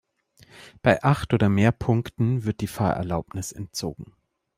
Bei acht oder mehr Punkten wird die Fahrerlaubnis entzogen.